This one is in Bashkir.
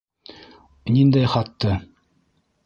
Ниндәй хатты?